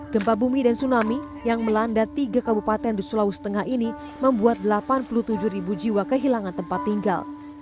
gempa bumi dan tsunami yang melanda tiga kabupaten di sulawesi tengah ini membuat delapan puluh tujuh ribu jiwa kehilangan tempat tinggal